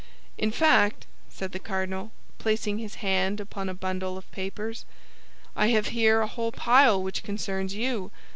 "In fact," said the cardinal, placing his hand upon a bundle of papers, "I have here a whole pile which concerns you.